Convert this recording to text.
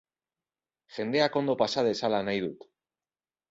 Jendeak ondo pasa dezala nahi dut.